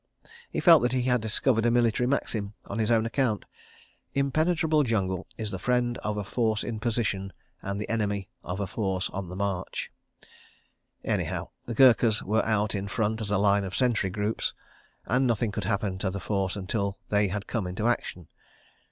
He felt that he had discovered a military maxim on his own account. Impenetrable jungle is the friend of a force in position, and the enemy of a force on the march. ... Anyhow, the Gurkhas were out in front as a line of sentry groups, and nothing could happen to the force until they had come into action.